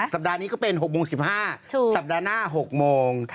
สัปดาห์นี้ก็เป็น๖โมง๑๕สัปดาห์หน้า๖โมง